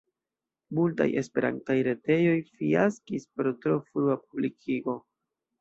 Multaj esperantaj retejoj fiaskis pro tro frua publikigo.